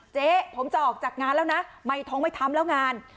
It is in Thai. เจ๊ผมจะออกจากงานแล้วนะไม่ท้องไม่ทำแล้วงาน